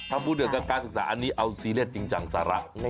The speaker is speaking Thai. บุญเกี่ยวกับการศึกษาอันนี้เอาซีเรียสจริงจังสาระ